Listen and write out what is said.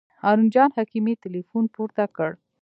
هارون جان حکیمي تیلفون پورته کړ.